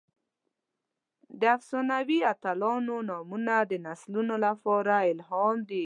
د افسانوي اتلانو نومونه د نسلونو لپاره الهام دي.